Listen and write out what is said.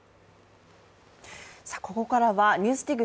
ここからは「ＮＥＷＳＤＩＧ」